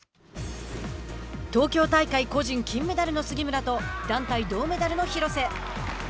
東京大会個人金メダルの杉村と団体銅メダルの廣瀬。